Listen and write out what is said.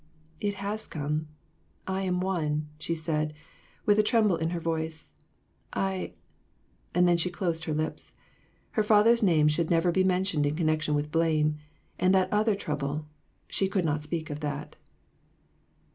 "It has come. I am one," she said, with a tremble in her voice. "I" and then she closed her lips. Her father's name should never be mentioned in connection with blame and that other trouble she could not speak of that.